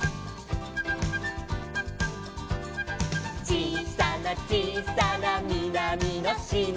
「ちいさなちいさなみなみのしまに」